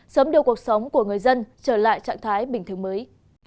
sớm đưa cuộc sống của người dân trở lại trạng thái bình thường mới